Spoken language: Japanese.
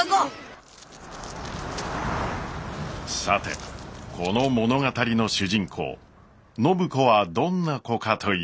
さてこの物語の主人公暢子はどんな子かというと。